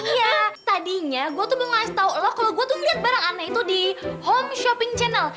iya tadinya gua tuh belum ngasih tau lo kalo gua tuh liat barang aneh itu di home shopping channel